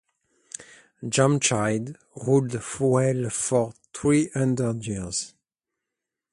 Jamshid ruled well for three hundred years.